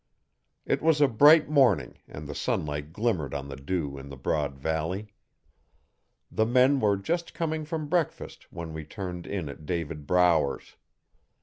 It was a bright morning and the sunlight glimmered on the dew in the broad valley. The men were just coming from breakfast when we turned in at David Brower's.